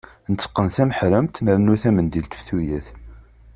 Nteqqen timeḥremt, nrennu tamendilt ɣef tuyat.